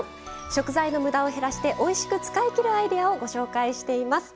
食材のむだを減らしておいしく使い切るアイデアをご紹介しています。